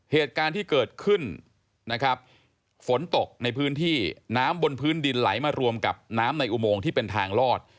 เหตุการณ์ที่เกิดขึ้นนะครับฝนตกในพื้นที่น้ำบนพื้นดินไหลมารวมกับน้ำในอุโมงที่เป็นทางลอด